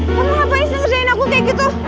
kamu ngapain sih ngerjain aku kayak gitu